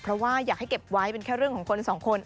เพราะว่าอยากให้เก็บไว้เป็นแค่เรื่องของคนสองคน